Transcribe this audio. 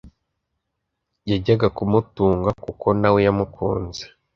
yajyaga kumutunga kuko nawe yamukunze.